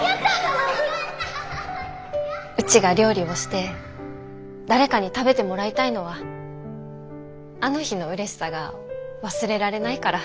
うちが料理をして誰かに食べてもらいたいのはあの日のうれしさが忘れられないから。